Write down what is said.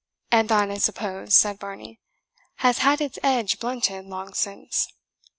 "And thine, I suppose," said Varney, "has had its edge blunted long since?"